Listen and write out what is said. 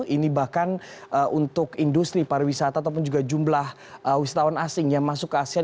ini bahkan untuk industri pariwisata ataupun juga jumlah wisatawan asing yang masuk ke asean